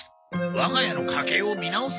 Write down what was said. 我が家の家計を見直す？